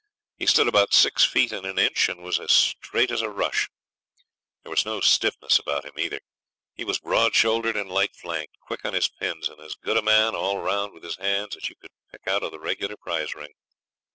He stood about six feet and an inch, and was as straight as a rush. There was no stiffness about him either. He was broad shouldered and light flanked, quick on his pins, and as good a man all round with his hands as you could pick out of the regular prize ring.